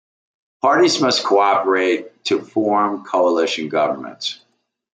Parties must cooperate to form coalition governments.